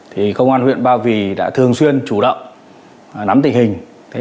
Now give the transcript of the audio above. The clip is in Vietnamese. thì công an huyện ba vì đã thường xuyên chủ động nắm tình hình